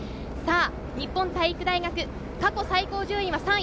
日本体育大学、過去最高順位は３位。